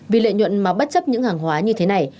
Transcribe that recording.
vì lợi nhuận mà bất chấp những hàng hóa như thế này